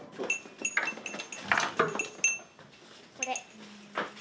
これ。